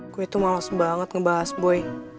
gue tuh males banget ngebahas boy